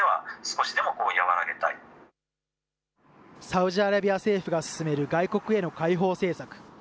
サウジアラビア政府が進める外国への開放政策。